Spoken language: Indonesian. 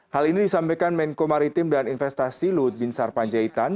hal ini disampaikan menko maritim dan investasi luhut bin sarpanjaitan